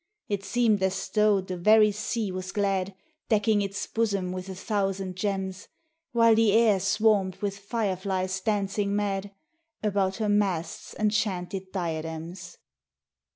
It seemed as though the very sea was glad Decking its bosom with a thousand gems, While the air swarmed with fireflies dancing mad About her masts' enchanted diadems.